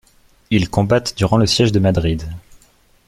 Ils combattent durant le siège de Madrid.